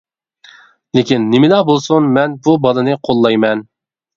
لېكىن نېمىلا بولسۇن مەن بۇ بالىنى قوللايمەن.